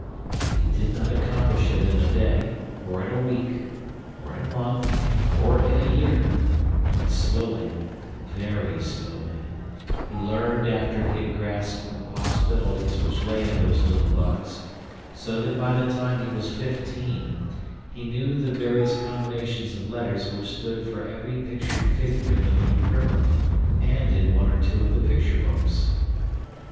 He did not accomplish it in a day, or in a week, or in a month, or in a year; but slowly, very slowly, he learned after he had grasped the possibilities which lay in those little bugs, so that by the time he was fifteen he knew the various combinations of letters which stood for every pictured figure in the little primer and in one or two of the picture books.